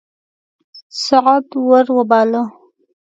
سعد ور وباله.